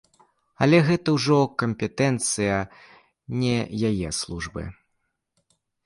Але гэта ўжо кампетэнцыя не яе службы.